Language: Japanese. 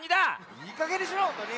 いいかげんにしろほんとうに！